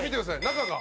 中が。